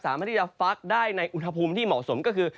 สามารถที่จะฟักได้ในอุณหภูมิที่เหมาะสมก็คือ